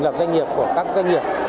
và các doanh nghiệp của các doanh nghiệp